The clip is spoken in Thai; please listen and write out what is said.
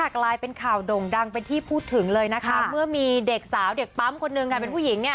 กลายเป็นข่าวโด่งดังเป็นที่พูดถึงเลยนะคะเมื่อมีเด็กสาวเด็กปั๊มคนหนึ่งค่ะเป็นผู้หญิงเนี่ย